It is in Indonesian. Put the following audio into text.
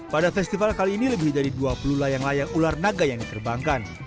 pada festival kali ini lebih dari dua puluh layang layang ular naga yang diterbangkan